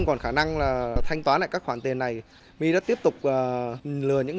my khai nhận ngoài chiếm đoạt tiền của bố chồng